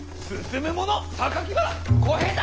小平太！